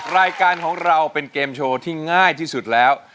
รายการของเราเป็นเกมโชว์ที่ง่ายที่สุดแล้ว